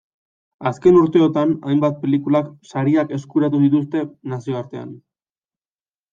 Azken urteotan hainbat pelikulak sariak eskuratu dituzte nazioartean.